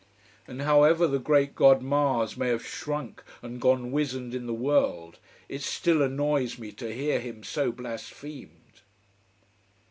And however the great god Mars may have shrunk and gone wizened in the world, it still annoys me to hear him so blasphemed.